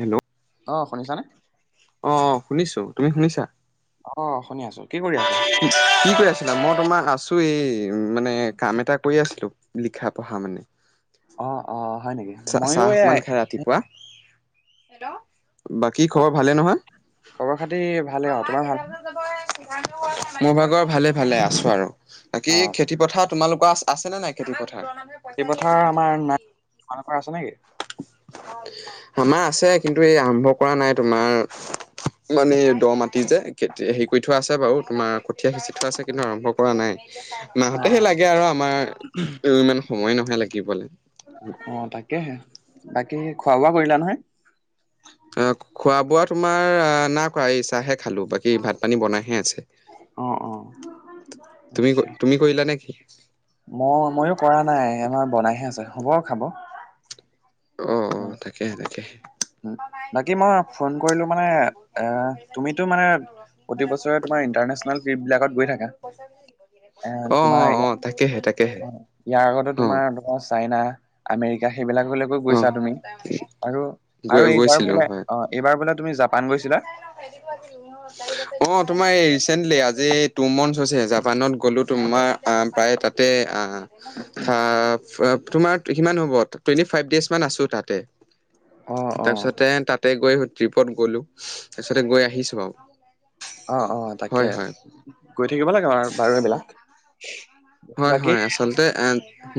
Hello অ, শুনিছানে? অ, অ। শুনিছোঁ, তুমি শুনিছা? অ, শুনি আছো। কি কৰি আছা? কি কি কৰি আছিলা? মই তোমাৰ আছো এই মানে, কাম এটা কৰি আছিলো। লিখা, পঢ়া মানে। অ, অ। হয় নেকি? মইয়ো চা-চাহ অকমান এয়াই খাই ৰাতিপুৱা, হেল্ল'? বাকী অ, খবৰ ভালে নহয় খবৰ খাতি ভালে অ তোমাৰ ভাল? মোৰ ভাগৰ ভালে ভালে আছো আৰু বাকী অ খে তি-পথাৰ তোমালোকৰ আছে নে নাই খেতিপথাৰ খেতি-পথাৰ আমাৰ না তোমালোকৰ আছে নেকি আমাৰ আছে কিন্তু এই আৰম্ভ কৰা নাই তোমাৰ মানে দ মাটি যে কে হেৰি কৰি থোৱা আছে বাৰু তোমাৰ কঠীয়া সিঁচি থোৱা আছে কিন্তু আৰম্ভ কৰা নাই অ মা-হতেহে লাগে আৰু আমাৰ মো ইমান সময় নহয় লাগিবলে অ তাকেহে বাকী খোৱা বোৱা কৰিলা নহয় আ খোৱা বোৱা তোমাৰ নাই কৰা এই চাহে খালোঁ বাকী ভাত পানী বনাইহে আছে অ অ তুমি আচ্ছা। ক তুমি কৰিলা নেকি মই মইয়ো কৰা নাই আমাৰ বনাইহে আছে হ'ব খাব অঁ অঁ উম, তাকেহে তাকেহে উম। আমাৰ মায়ে বাকী দিবগে মই আমাৰ ফোন পইছা আমাৰ কৰিলো হাততে মানে থাকিব এ হিহঁতৰ পইছাগিটা দিয়াহি তুমিতো নাই মানে আজিলৈ ৰশ্মি প্ৰতি বছৰে তোমাৰ ইণ্টাৰনেচনেল ট্ৰিপ বিলাকত গৈ থাকা এ অ অ তোমাৰ অ তাকেহে তাকেহে ইয়াৰ আগতে অ। তোমাৰ ধৰা চাইনা আমেৰিকা সেইবিলাকলৈ গৈ অ তা তুমি আৰু গৈ আৰু এইবাৰ গৈছিলো বোলে হয়। অ এইবাৰ বোলে তুমি জাপান গৈছিলা [unintelligible] অ তোমাৰ এই ৰিচেন্টলি আজি টু মন্থ হৈছে জাপানত গ'লো তোমাৰ আম পাই তাতে আ থাপ তোমাৰ সিমান হ'ব টুৱেন্টি ফাইভ ডেজ মান আছো তাতে অ অ তাৰপিছতে তাতে গৈ ট্ৰিপত গলো তাৰপিছতে গৈ আহিছো আৰু অ অ তাকে হয় হয় গৈ থাকিব লাগে আৰু বাৰু এইবিলাক হয় বাকী হয় আচলতে এ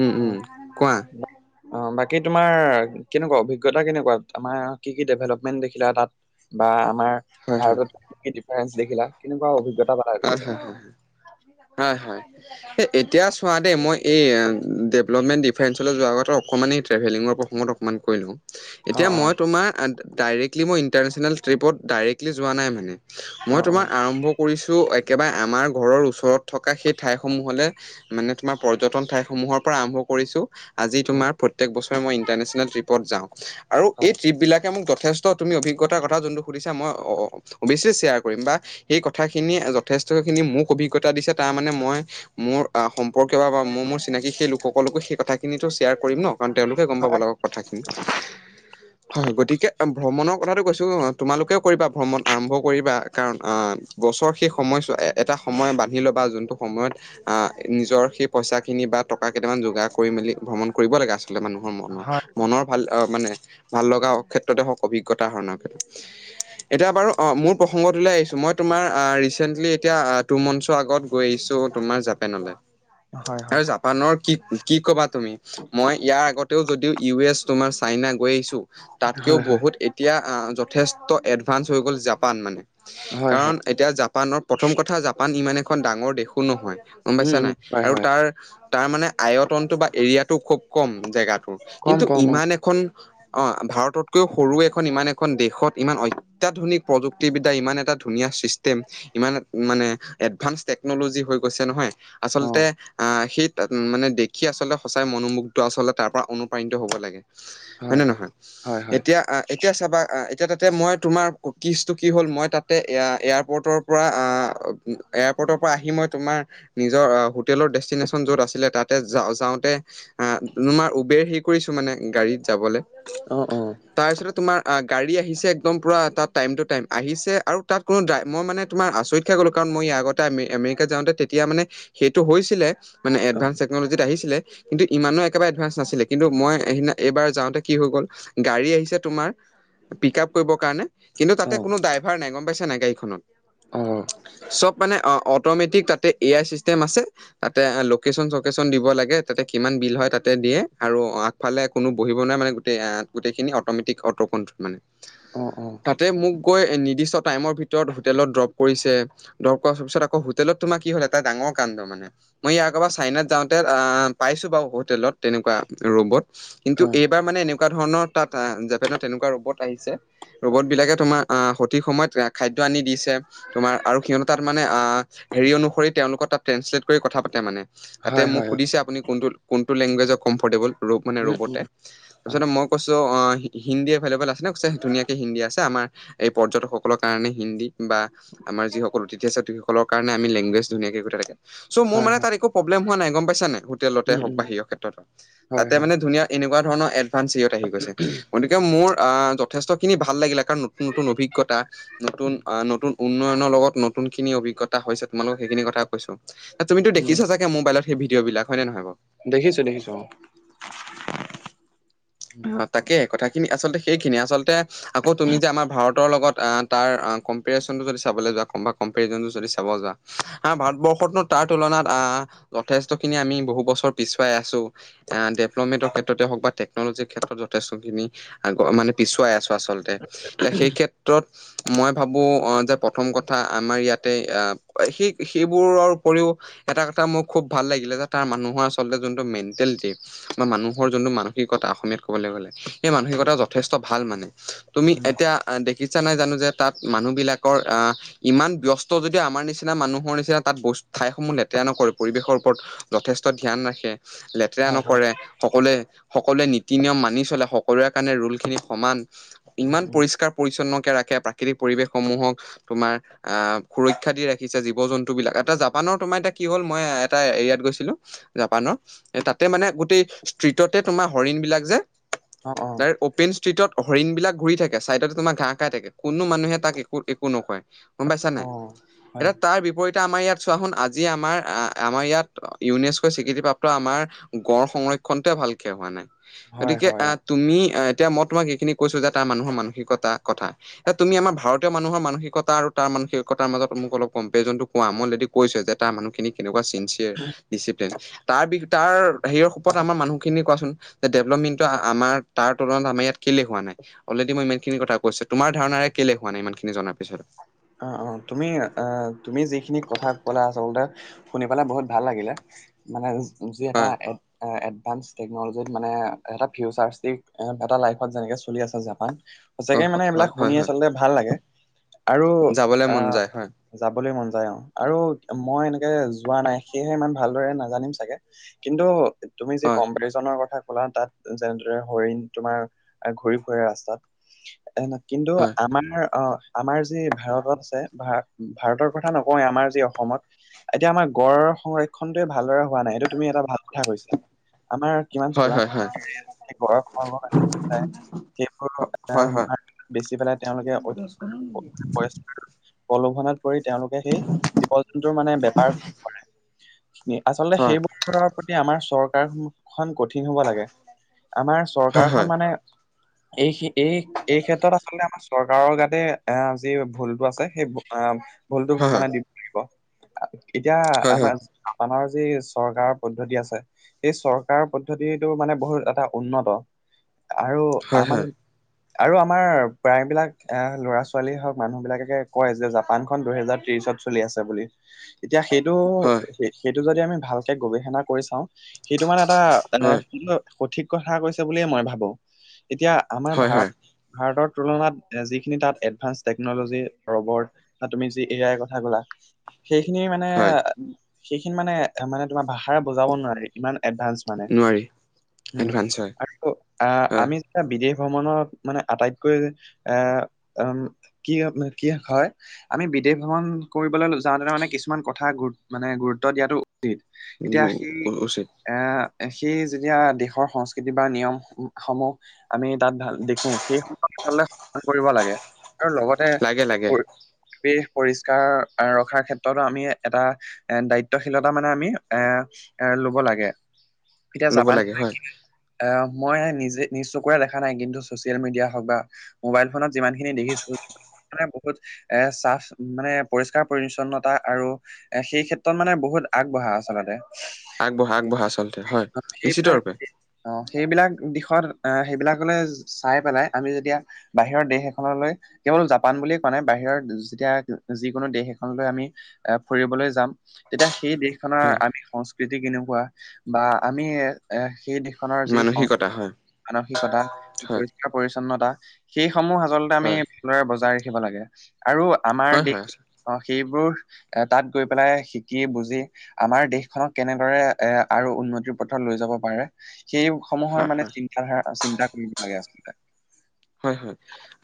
উম অ উম কোৱা অ বাকী তোমাৰ কেনেকুৱা অভিজ্ঞতা কেনেকুৱা আমাৰ কি কি ডেভেলপমেন্ট দেখিলা তাত বা আমাৰ হয় হয় ভাৰতত কি ডিফাৰেঞ্চ দেখিলা কেনেকুৱা অভিজ্ঞতা পালা গৈ? হয় হয় হয় হয় হয় এ এতিয়া চোৱা দেই মই এই ডেভেলপমেণ্ট ডিফেন্সলৈ যোৱাৰ কথা অকণমান এই ট্ৰেভেলিঙৰ প্ৰসংগত মান কৈ লও অ এতিয়া অ মই তোমাৰ ডাইৰেক্টলি মই ইণ্টাৰনেশ্যনেল ট্ৰিপত ডাইৰেক্টলি যোৱা নাই মানে অ মই তোমাৰ আৰম্ভ কৰিছো একেবাৰে আমাৰ ঘৰৰ ওচৰত থকা সেই ঠাইসমূহলে মানে তোমাৰ পৰ্যটন ঠাই সমূহৰ পৰা আৰম্ভ কৰিছো আজি অ তোমাৰ প্ৰত্যেক বছৰে মই ইন্টাৰনেচনেল ট্ৰিপত যাওঁ আৰু অ এই ট্ৰিপ বিলাকে মোক যথেষ্ ত তুমি অভিজ্ঞতাৰ কথা যোনটো সুধিচা মই অ অ অৱশ্যে চেয়াৰ কৰিম বা এই কথা খিনিয়ে যথেষ্টখিনি মোক অভিজ্ঞতা দিছে তাৰ মানে মই মোৰ আ সম্পৰ্কীয় বা বা মোৰ মোৰ চিনাকি সেই লোকসকলকো সেই কথাখিনিতো শ্বেয়াৰ কৰিম ন কাৰণ তেওঁলোকে গম পাব হয়। লাগক কথাখিনি হয় গতিকে ভ্ৰমণৰ কথাটো কৈছো তোমালোকেও কৰিবা ভ্ৰমণ আৰম্ভ কৰিবা কাৰণ অ বছৰ সেই সময়ছো এটা সময় বান্ধি লবা যোনটো সময়ত আহ নিজৰ সেই পইচাখিনি বা টকা কেইটামান যোগাৰ কৰি মেলি ভ্ৰমণ কৰিব লাগে আচলতে মানুহৰ হয় হয়। মনৰ মনৰ ভাল মানে ভাল লগা ক্ষেত্ৰতে হওক অভিজ্ঞতা আহৰণৰ ক্ষেত্ৰত এতিয়া বাৰু অ মোৰ প্ৰসংগতোলে আহিছো মই তোমাৰ আহ ৰিচেন্টলি এতিয়া টু মানচৰ আগত গৈ আহিছোঁ তোমাৰ জাপেনলৈ হয়, হয়। জাপানৰ কি, কি ক'বা তুমি মই ইয়াৰ আগতেও যদিও ইউ এছ তোমাৰ চাইনা গৈ আহিছোঁ। তাতকেও হয় হয় বহুত এতিয়া যথেষ্ট এডভানস হৈ গ'ল জাপান মানে হয় কাৰণ হয় এতিয়া জাপানৰ প্ৰথম কথা জাপান ইমান এখন ডাঙৰ দেশো নহয় গ'ম উম পাইছা উম নাই হয় আৰু হয় তাৰ তাৰ মানে আয়তনটো বা এৰিয়াটো খুব কম জেগাটোৰ। কম কিন্তু কম অ ইমান এখন অ', ভাৰততকৈও সৰু এখন ইমান এখন দেশত ইমান অত্যাধুনিক প্ৰযুক্তিবিদ্যা ইমান এটা ধুনীয়া চিষ্টেম ইমান মানে এডভান্স টেকনলজি হৈ গৈছে নহয় অ আচলতে আহ শীত ত উ মানে দেখি আচলতে সঁচাই মনোমোগ্ধটো আচলতে তাৰ পৰা অনুপ্ৰাণিত হ'ব লাগে। হয় নে নহয় এতিয়া এতিয়া চাবা এতিয়া তাতে মই তোমাৰ কিচটো কি হ'ল মই তাত এ এয়াৰপৰ্টৰ পৰা এয়াৰপৰ্টৰ পৰা আহি মই তোমাৰ নিজৰ হোটেলৰ ডেষ্টিনেশ্যন য'ত আছিলে তাতে যা যাওঁতে আহ তোমাৰ উবেৰ হেৰি কৰিছোঁ মানে গাড়ীত যাবলৈ অ', অ'। তাৰ পিছতে তোমাৰ গাড়ী আহিছে একদম পুৰা তাত টাইম টু টাইম আহিছে আৰু তাত কোনো ড্ৰাই মই মানে তোমাৰ আচৰিত খাই গ'লো কাৰণ মই ইয় আগতে আম আমেৰিকা যাওঁতে তেতিয়া মানে সেইটো হৈছিলে মানে অ এডভান্স টেকন'লজিত আহিছিলে কিন্তু ইমানো একেবাৰে এডভান্স নাছিলে কিন্তু মই সেইদিনা এইবাৰ যাওঁতে কি হৈ গ'ল গাড়ী আহিছে তোমাৰ পিক আপ কৰিবৰ কাৰণে কিন্তু অ তাতে কোনো ড্ৰাইভাৰ নাই গম পাইছে নাই। গাড়ীখনত অ চব মানে অ', অ'। অট'মেটিক তাতে এ আই চিষ্টেম আছে। তাতে লোকেশচন চকেচন দিব লাগে তাতে কিমান বিল হয় তাতে দিয়ে আৰু ইফে কোনো বহিব নাই মানে গোট গোটেইখিনি অ'মেটিক অ', মানে। অ তাতে মোক গৈ নিৰ্দিষ্ট টাইমৰ ভিতৰত হোটেলত ড্ৰপ কৰিছে। দৰকাৰাৰ পিছ আকৌ হোটেলত তোমাৰ কি হল এটা ডাঙৰ কাণ্ড মানে। মই ইয়াৰ কাৰব পৰা চাইনাত যাওঁতে পাইছোঁ বাৰু হোটেলত। তেনেকুৱা ৰ'বত কিন্তু অ এইবাৰ মানে এনেকুৱা ধৰণৰ তাত তেনেকুৱা ৰ'বত আহিছে ৰোবত বিলাকে তোমাৰ আহ সঠিক সময়ত খাদ্যয় আনি দিছে তোমাৰ আৰু সিহঁত তাত মানে হেৰি অনুসৰি তেওঁলোকৰ তাত ট্ৰেলেট, কথা পাতে মানে তাতে হয় মোক হয় সুধিছে আপুনি কোনটো কোনটো লেংগুৱেজৰ কমফৰ্টেবল। ৰূপ মানে উম, উম, ৰূপতে হয়, তাৰপিছতে মই কৈছো অ হিন্দী এভলেবল আছে। নে কৈ ধুনীয়াকে হিন্দী আছে আমাৰ এই পৰ্যটকসকলৰ কাৰণে হিন্দী বা আমাৰ যিসকল অতিথি আছে অতিথিসকলৰ কাৰণ লেংগুৱেজ ধুনীয়াকে কৈ থাকে। চ' মোৰ হয়, মানে হয়, তাত একো প্ৰব্লেম হোৱা নাই গম পাইছা নে? হোটেলতে উম, হওঁক উম, বাাহিৰৰ ক্ষেত্ৰত হয়, তাতে হয়, মানে ধুনীয়া। এনেকুৱা ধৰণৰ এডভান্স ইয়ত আহি গৈছে গকে এ মোৰ আহ যথেষ্ট খিনি ভাল লাগিলে, কাৰণ নতুন, নতুন অভিজ্ঞতা নতুন আহ নতুন উন্নয়নৰ লগত নতুন খিনি অভিজ্ঞতা হৈছে তোমালোক সেইখিনি কথা কৈছো তুমিতো উম, দেখিছা চাগে মোবাইলত সেই ভিডিঅ' বিলাক হয় নহয় বাৰু সেই দেখিছোঁ দেখিছোঁ অ'। উম, অ', তাকে কথাখিনি আচলতে সেইখিনিয়ে আচলতে আকৌ তুমি যে আমাৰ ভাৰতৰ লগত তাৰ কম্পৰিজনটো যদি চাবলৈ যোৱা কম্পজনটো যদি চাব যোৱা। অহ ভাৰতবৰ্ষতনো তাৰ তুলনাত আহ যথেষ্ট খিনি আমি বহু বছৰ পিছুৱাই আছোঁ। ডেভেলপমেণ্টৰ ক্ষেত্ৰতে হওঁক বা টেকনলজিৰ ক্ষেত্ৰত যথেষ্টখিনি মানে পিছুৱাই আছোঁ আচলতে। এ এ সেই ক্ষেত্ৰত মই ভাবো অহ যে প্ৰথম কথা আমাৰ ইয়াতে আহ সেই সেইবোৰৰ উপৰিও এটা কথা মোৰ খুব ভাল লাগিলে যে তাৰ মানুহৰ আচলতে যোনটো মেণ্টেলিটি বা মানুহৰ যোনটো মানুহ সেই কথা অসমীয়াত কবলৈ গলে সেই মানসিকতা যথেষ্ট ভাল মানে তুমি উম, এতিয়া এই দেখিছা নাই জানো যে তাত মানুহ বিলাকৰ আহ ইমান ব্যস্ত যদিও আমাৰ নিচিনা মানুহৰ নিচিনা তাত বচ ঠাইসমূহ লে তেৰা নকৰে পৰিৱেশৰ ওপৰত যথেষ্ট ধ্যান ৰাখে লেতেৰা হয়, হয়, নকৰে সকলোৱ সকলোৱে নীতি নিয়ম মানি চলে সকলোৰে কাৰণে ৰোলখিনি সমান উম, ইমান উম। পৰিষ্কাৰ পৰিচ্ছন্নকে ৰাখে প্ৰাকৃতিক পৰিৱেশসমূহক তোমাৰ আহ সুৰক্ষা দি ৰাখিছে জীৱ জন্তু বিলাক এটা জাপানৰ তোমাৰ এতিয়া কি হ'ল মই এটা এৰিয়াত গৈছিলো জাপানৰ সেই তাতে মানে গোটেই ষ্ট্ৰীটত তে তোমাৰ হৰিণ বিলাক যে অ', অ', ত অপেন ষ্ট্ৰীটত হৰিণ বিলাক ঘূৰি থাকে ছাইডতে তোমাৰ ঘাঁহ খাই থাকে কোনো মানুহে তাক একো একো নকয় গম পাইছা নাই অ', হয়, এতিয়া তাৰ বিপৰীত এতিয়া আমাৰ ইয়াত চোৱাচোন আজি আমাৰ আমাৰ ইয়াত ইউনেস্ক স্বীকৃতিপ্ৰাপ্ত আমাৰ গড় সংৰক্ষণতে ভালকে হোৱা নাই হয়, গতিকে হয়, আহ অ'। তুমি এতিয়া মই তোমাক এইখিনি কৈছো যে তাৰ মানুহৰ মানসিকতা কথা এ তুমি আমাৰ ভাৰতীয় মানুহৰ মানসিকতা আৰু তাৰ মানসিকতাৰ মাজত মোক অলপ কম্পৰিজন কোৱা মই অলৰেদি কৈছে যে তাৰ মানুহখিনি কেনেকোৱা চিনচিয়াৰ ডিচিপ্লিন তাৰ বি তাৰ হেৰিৰ সপত আমাৰ মানুহ খিনি কোৱাচোন যে ডেভলপমেণ্টো আমাৰ তাৰ তুলনাত আমাৰ ইয়াত কেলে হোৱা নাই অলৰেডি মই ইমানখিনি কথা কৈছোৱে তোমাৰ ধাৰণাৰে কেলে হোৱা নাই ইমান খিনি জনাৰ পিছত অ অ তুমি অ তুমি যিখিনি কথা কলা আচলতে শুনি পেলাই বহুত ভাল লাগিলে। মানে যি এটা হয় এ এডভান্স টেকনলজিত মানে এটা ফিউচাৰ ষ্টিক এটা ফিউচাৰ লাইফত যেনেকে চলি আছে জাপান অ সঁচাকে মানে হ- হয় এইবিলাক হয় শুনি হয় আচলতে ভাল লাগে আৰু যাবলৈ মন আহ যায় হয় যাবলৈ মন যায় অ আৰু মই এনেকে যোৱা নাই সেয়েহে ইমান ভালদৰে নাজানিম চাগে কিন্তু তুমি যি হয় কম্পিটিশনৰ কথা কলা তাত যেনেদৰে হৰিণ তোমাৰ এ ঘূৰি ফুৰে ৰাস্তাত এ কিন্তু হয়। আমাৰ অহ আমাৰ যি ভাৰতত আছে ভাৰ ভাৰতৰ কথা নকওৱেই আমাৰ যি অসমত এতিয়া আমাৰ গড় সংৰক্ষণটোৱে ভালদৰে হোৱা নাই এইটো তুমি এটা ভাল কথা কৈছা আমাৰ কিমান হয় চোৰাং হয় হয় চিকাৰীয়ে সেই গড়ৰ খৰ্গ কাটি পেলায় সেইবোৰ বেচি পেলাই তেওঁলোকে অধিক উম প্ৰলোভনত পৰি তেওঁলোকে সেই জীৱ জন্তুৰ মানে বেপাৰ কৰে কি আচলতে হয় সেইবোৰৰ প্ৰতি আমাৰ চৰকাৰখন কঠিন হব লাগে আমাৰ হয় চৰকাৰখন মানে এই এই এই ক্ষেত্ৰত আচলতে আমাৰ চৰকাৰৰ গাতে এ যি ভুলটো আছে সেই আ ভুলটোক হয় হয় হয় হয় মানে দিব লাগিব এতিয়া হয় আমাৰ আপোনাৰ যি চৰকাৰৰ পদ্ধতি আছে এই চৰকাৰৰ পদ্ধতিটো মানে বহুত এটা উন্নত আৰু হয় হয় আমাৰ হয়। আৰু আমাৰ প্ৰায়বিলাক এ ল'ৰা ছোৱালী হওক মানুহ বিলাকে কয় যে জাপানখন দুহেজাৰ ত্ৰিশত চলি আছে বুলি এতিয়া সেইটো হয় সেইটো যদি আমি ভালকে গৱেষণা কৰি চাও সেইটো মানে এটা তেনে হয় কিন্তু সঠিক কথা কৈছে বুলিয়ে মই ভাবো এতিয়া আমাৰ হয় ভাৰত হয় ভাৰতৰ তুলনাত যিখিনি তাত এডভান্স টেকনলজি ৰবট বা তুমি যি এ আই কথা ক'লা সেইখিনি মানে হয় সেইখিনি মানে মানে তোমাৰ ভাষাৰে বুজাব নোৱি ইমান এডভানঞ্চ। মানে নোৱাৰি উমঁ এডভান্স হয় আকৌআহ হয় আমি এয়া বিদেশ ভ্ৰমণৰ মানে আটাইতকৈ এ উমঁ। কি আলে কি হয়। আমি বিদেশ ভ্ৰমণ কৰিবলৈ যাওঁতে মানে কিছুমান কথা গু মানে গুৰুত্ব দিয়াতো এতিয়া সেই উচিত এ সেই যেতিয়া দেশৰ সংস্কৃতি বা নিয়ম সমূহ। আমি তাত ভাল দেখো সেই সচাল সান কৰিব লাগে আৰু লগতে লাগে লাগে পৰিৱেশ পৰিষ্কাৰ ৰখাৰ ক্ষেত্ৰতো আমি এটা। এ দায়িত্বশীলতা মানে আমি এ এ লব লাগে। এতিয়া ল'ব জাপান লাগে লৈ হয় কিনে অহ মই নিজে নিজ চুকুৰে দেখা নাই কিন্তু চচিয়েল মিডিয়া হওঁক বা মোবাইল ফোনত যিমান খিনি দেখিছোঁ। মানে বহুত এ চাফ মানে পৰিষ্কাৰ পৰিচ্ছন্নতা আৰু - এ সেই ক্ষেত্ৰত মানে বহুত আগবঢ়া আচলতে। আগবঢ়া আগবঢ়া আচলতে হয় নিশ্চিত ৰূপে। অঁ সেইবিলাক দিশত এ হেইবিলাকলৈ চাই পেলাই আমি যেতিয়া - বাহিৰ দেশ এখনলৈ - কেৱল জাপান বুলিয়ে কোৱা নাই বাহিৰৰ যেতিয়া যিকোনো দেশ এখনলৈ আমি ফুৰিবলৈ যাম। তেতিয়া সেই দেশখনৰ হয় আমি সংস্কৃতি কেনেকুৱা বা আমি এ সেই দেশ - দেশখনৰ যি মানসিকতা হয় মানসিকতা হয় পৰিষ্কাৰ পৰিছন্নতা সেইসমূহ আচল - আচলতে আমি হয় ভাল দৰে বজাই ৰাখিব লাগে আৰু আমাৰ হয় দেশ হয় আছে - অঁ সেইবোৰ এ তাত গৈ পেলাই শিকি বুজি - আমাৰ দেশখনক কেনেদৰে এ আৰু উন্নতিৰ পথ লৈ যাব পাৰে সেই - সমূহৰ হয় মানে হয় চিন্তাধাৰা চিন্তা কৰিব লাগে আচলতে। হয়ঁ হয়ঁ।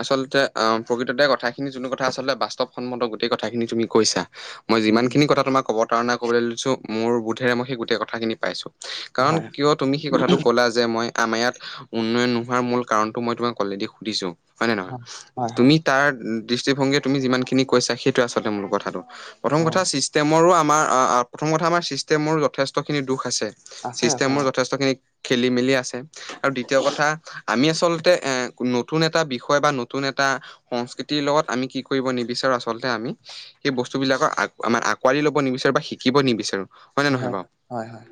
আচলতে আহ প্ৰকৃততে কথাখিনি যোনটো কথা আচলতে বাস্তৱসন্মত গোটেই কথাখিনি তুমি কৈছা। মই উম উম যিমানখিনিথা তোমাক ক'ব কাৰণে ক'লৈ লৈছোঁ মোৰ বোধেৰেইেই গোটেই কথাখিনি পাইছোঁ। কাৰণ হয় কিয় তুমি সেই কথাটো ক'লা যে মই আমাৰ ইয়াত উন্নয়ন নোহোৱাৰ মূল কাৰণটো মই তোমাক। অলৰেদি সুধিছো হয় নে নহয় হয় হয় তুমি। তাৰ দৃষ্টিভংগী তুমি যিমান খিনি কৈছা সেইটো আচলতে মূল কথাটো। প্ৰথম অ কথা চিষ্টেমৰো আমাৰ অ, অ, অ, প্ৰথম কথা আমাৰ চিষ্টেমৰো যথেষ্টখিনি দুখ আছে। আছে আছে ছিষ্টেমৰ অ যথেষ্টখিনি খেলি মেলি আছে আৰু দ্বিতীয় কথা আমি আচলতে এ - নতুন এটা বিষয় বা নতুন এটা সংস্কৃতিৰ লগত আমি কি কৰিব নিবিচাৰো আচলতে আমি। সেই বস্তুবিলাকৰ আগ আমাৰ আঁকোৱালি লব নিবিচাৰো বা শিকিব নিবিচাৰো হয় নে নহয় বাও? হয় হয়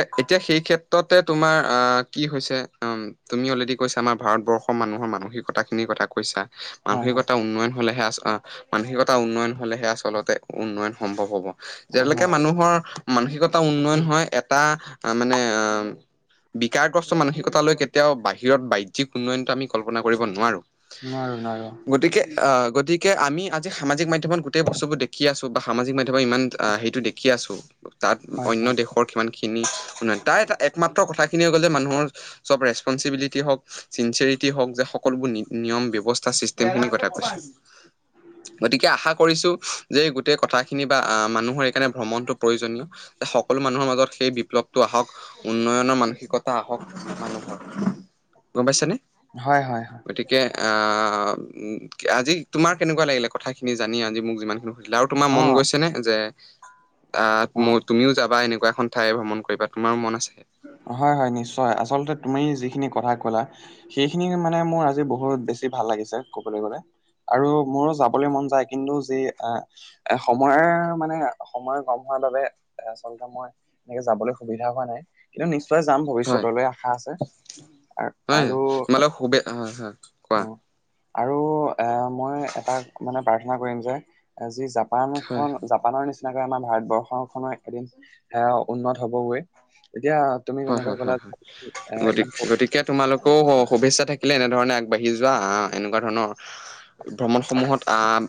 এতিয়া সেই ক্ষেত্ৰতে তোমাৰ আ কি হৈছে উমঁ। তুমি অলৰেডি কৈছা আমাৰ ভাৰতবৰ্ষ। মানুহৰ মানসিকতা খিনি কথা কৈছা হয় হয় মানসিকতা উন্নয়ন হলেহে আচ - মানসিকতা উন্নয়ন হ'লেহে আচলতে উন্নয়ন সম্ভৱ হ'ব। অ যেতিলৈকে হয় মানুহৰ মানসিকতা উন্নয়ন হয় এটা - মানে অ বিকাৰগ্ৰস্ত মানসিকতা লৈ কেতিয়াও বাহিৰত বাইজ্যিক উন্নয়ন - এটো আমি কল্পনা কৰিব নোৱাৰো। নোৱাৰো, নোৱাৰো। অঁ গতিকে আমি আজি সামাজিক মাধ্যমত গোটেই বস্তু বোৰ দেখি আছো বা সামাজিক মাধ্যমত ইমান সেইটো দেখি - কি আছো তাত হয় অন্য হয় দেশখো - [unintelligible] তাই একমাত্ৰ কথাখিনিয়ে হৈ গ'ল যে মানুহৰ চব ৰেচপনচিবিলিটি হওঁক চিনচেৰি ই হক যা সকলোবোৰ নিয়ম বেষ্টা চিষ্টেমখিনি কথা কৈছো। গতিকে আশা কৰিছো যে গোটেই কথাখিনি বা আ মানুহৰ এইকাৰণে ভ্ৰমণটো প্ৰয়োজনীয়। সকলো মানুহৰ মাজত সেই বিপ্লৱটো আহক। উন্নয়নৰ মানসিকতা আহক মানুহৰ গম পাইছা নে? হয়, হয়, হয়। গতিকে অ' আজি তোমাৰ কেনেকুৱা লাগিলে কথাখিনি জানি আজি মোক যিমান আৰু তোমাৰ অ মন গৈছে নে যে আ অ মোৰ তুমিও যাবা এনেকুৱা এখন ঠাই ভ্ৰমণ কৰিবা তোমাৰো মন আছে? হয়, হয় নিশ্চয় আচলতে তুমি যিখিনি কথা ক'লা সেইখিনিয়ে মানে মোৰ আজি বহুত বেছি ভাল লাগিছে কবলৈ গ'লে। আৰু মোৰো যাবলৈ মন যায় কিন্তু যি আ এ সময়ে মানে সময়ে গম পোৱা নাযায় এ আচলতে মই এনেকে যাবলৈ সুবিধা হোৱা নাই, কিন্তু নিশ্চয় যাম হয় ভৱিষ্যতলৈ আশা আছে। আ হয়, আৰু তোমালোক সুবেই হয় হয় কোৱা। অ' আৰু এ মই এটা মানে প্ৰাৰ্থনা কৰিম যে যি হয় জাপানখন জাপ পানৰ নিচিনাকে আমাৰ ভাৰতবৰ্ষখনৰ এদিন এ উন্নত হ'ব গৈ। এতিয়া হয়, হয়, হয়, হয় এ গতিক ইমান গতিক এতিয়া তোমালোকৰও শুভেচ্ছা থাকিলে এনেধৰণে আগবাঢি যোৱা আ এনেকুৱা ধৰণৰ ভ্ৰমণসমূহত আহ